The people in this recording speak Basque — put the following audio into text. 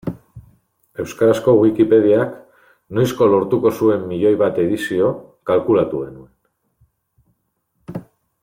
Euskarazko Wikipediak noizko lortuko zuen miloi bat edizio kalkulatu genuen.